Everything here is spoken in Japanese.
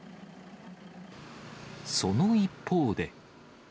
その一方で。